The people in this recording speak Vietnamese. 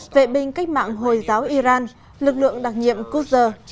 vệ binh cách mạng hồi giáo iran lực lượng đặc nhiệm kusher